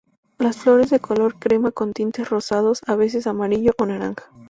Las flores de color crema, con tintes rosados, a veces amarillo o naranja.